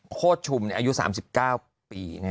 โคตรชุมอายุ๓๙ปี